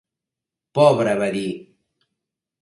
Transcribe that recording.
"Pobre", va dir.